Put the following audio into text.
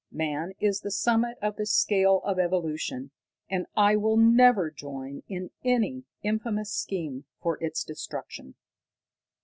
Man is the summit of the scale of evolution, and I will never join in any infamous scheme for his destruction."